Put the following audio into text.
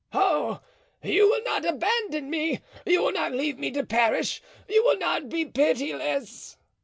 "Oh! you will not abandon me! You will not leave me to perish! You will not be pitiless!"